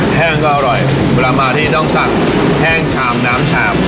แข้งก็อร่อยเวลามาที่นะทัศนแข้งขามน้ำชาบ